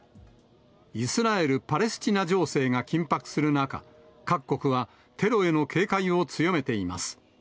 イスラエル・パレスチナ情勢が緊迫する中、各国はテロへの警戒を強めています。